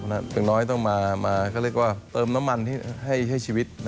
ก็ต้องมาเติมน้ำมันให้ชีวิต